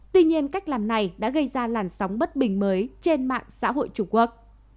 tuy nhiên cách làm này đã gây ra làn sóng bất bình mới trên mạng xã hội trung quốc